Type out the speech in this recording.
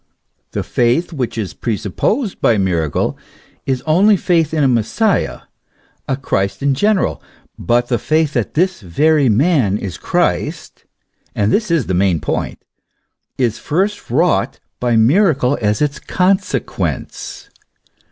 The faith which is presupposed by miracle is only faith in a Messiah, a Christ in general; but the faith that this very man is Christ and this is the main point is first wrought by miracle as its consequence.